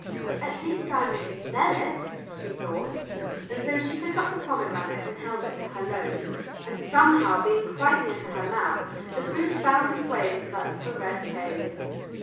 "At least I may smell it," she thought, so she took up the pomegranate and held it to her nose, and somehow, being quite near to her mouth, the fruit found its way into that little red cave.